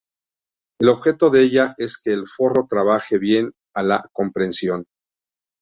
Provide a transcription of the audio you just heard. El objeto de ella es que el forro trabaje bien a la compresión.